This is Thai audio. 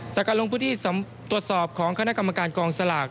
จากการลงพื้นที่ตรวจสอบของคณะกรรมการกองสลาก